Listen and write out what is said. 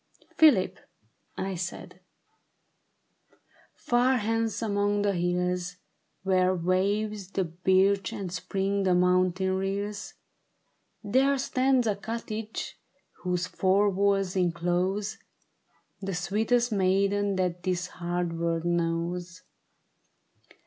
" Philip," I said, " far hence among the hills, ^Miere waves the birch and spring the mountain rills, There stands a cottage whose four walls inclose. The sweetest maiden that this hard worid knows.